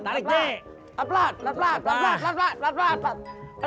pelan pelan pelan pelan pelan pelan